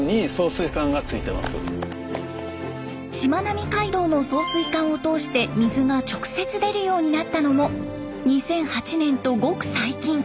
しまなみ海道の送水管を通して水が直接出るようになったのも２００８年とごく最近。